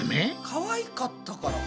かわいかったからかな？